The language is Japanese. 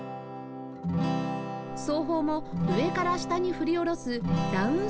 奏法も上から下に振り下ろすダウン